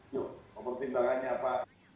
yuk kalau pertimbangannya apa